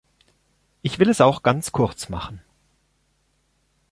Ich will es auch ganz kurz machen.